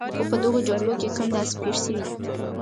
خو په دغو جګړو کې کم داسې پېښ شوي دي.